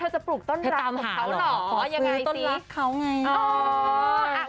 เธอจะปลูกต้นลักของเขาต่ออย่างไรสิเธอตามหาเหรอขอซื้อต้นลักของเขาไง